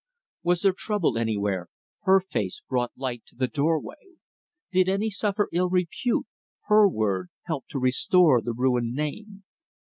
Was there trouble anywhere, her face brought light to the door way. Did any suffer ill repute, her word helped to restore the ruined name.